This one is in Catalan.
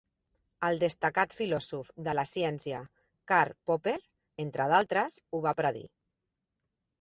El destacat filòsof de la ciència, Karl Popper, entre d'altres, ho va predir.